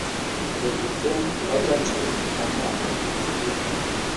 Depite w’agace ka Ntungamo